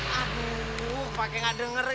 aduh pake gak denger